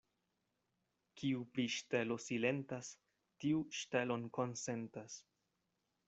Kiu pri ŝtelo silentas, tiu ŝtelon konsentas.